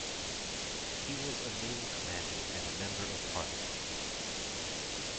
He was a naval commander and Member of Parliament.